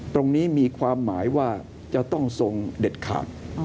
มีความหมายว่าจะต้องทรงเด็ดขาด